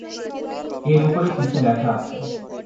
এর উপরে কিছু লেখা আছে।